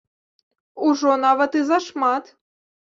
Ужо нават і зашмат.